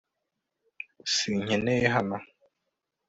sinkeneye hano